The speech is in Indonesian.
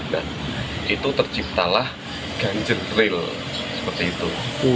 dan itu terciptalah ganjrel seperti itu